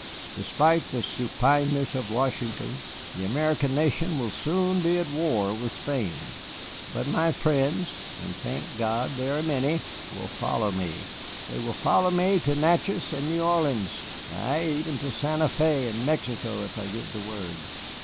Despite the supineness of Washington, the American nation will soon be at war with Spain. But my friends and thank God they are many will follow me they will follow me to Natchez and New Orleans, ay, even to Santa Fé and Mexico if I give the word.